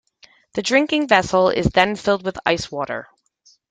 The drinking vessel is then filled with ice water.